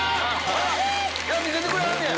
見せてくれはんねや！